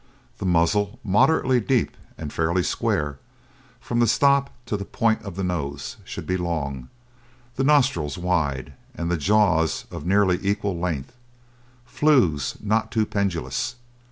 The muzzle moderately deep and fairly square; from the stop to the point of the nose should be long, the nostrils wide, and the jaws of nearly equal length; flews not too pendulous.